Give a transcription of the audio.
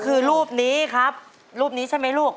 คือรูปนี้ครับรูปนี้ใช่ไหมลูก